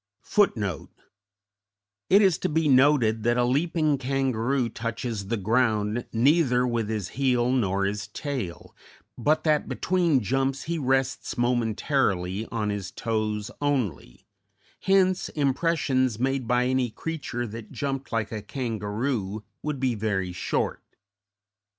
_It is to be noted that a leaping kangaroo touches the ground neither with his heel nor his tail, but that between jumps he rests momentarily on his toes only; hence impressions made by any creature that jumped like a kangaroo would be very short.